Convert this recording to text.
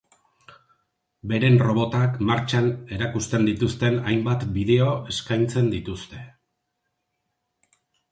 Beren robotak martxan erakusten dituzten hainbat bideo eskaintzen dituzte.